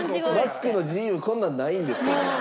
マスクの自由こんなんないんですけどね。